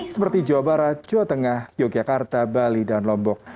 seperti jawa barat jawa tengah yogyakarta bali dan lombok